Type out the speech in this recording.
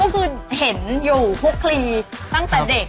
ก็คือเห็นอยู่คุกคลีตั้งแต่เด็ก